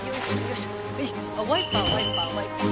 ワイパーワイパーワイパー。